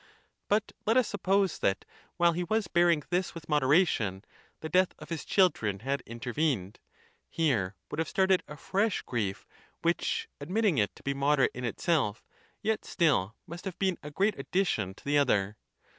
But let us suppose that while he was bear ing this with moderation, the death of his children had in tervened ; here would have started a fresh grief, which, ad mitting it to be moderate in itself, yet still must have been a great addition to the other.